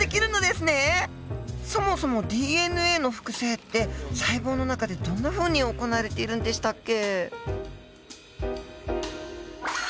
そもそもＤＮＡの複製って細胞の中でどんなふうに行われているんでしたっけ？